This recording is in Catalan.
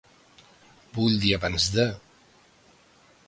Vull dir abans de.